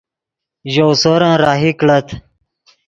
ژؤ سورن راہی کڑت